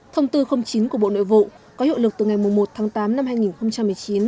thông tư chín của bộ nội vụ có hiệu lực từ ngày một tháng tám năm hai nghìn một mươi chín